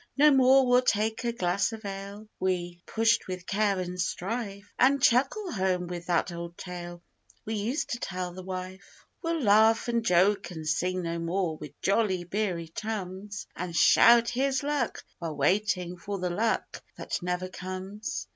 No more we'll take a glass of ale when pushed with care an' strife, An' chuckle home with that old tale we used to tell the wife. We'll laugh an' joke an' sing no more with jolly beery chums, An' shout 'Here's luck!' while waitin' for the luck that never comes.